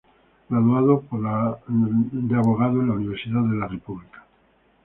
Graduado de abogado en la Universidad de la República.